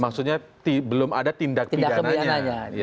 maksudnya belum ada tindak pidananya